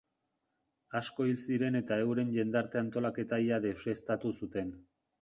Asko hil ziren eta euren jendarte-antolaketa ia deuseztatu zuen.